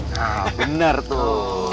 nah bener tuh